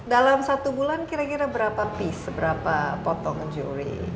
dalam satu bulan kira kira berapa piece berapa potong juri